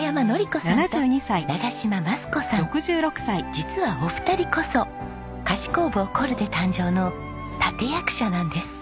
実はお二人こそ菓子工房コルデ誕生の立役者なんです。